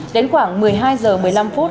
đến khoảng một mươi hai h một mươi năm phút